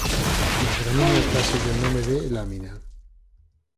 Nas gramíneas dáselle o nome de "lámina".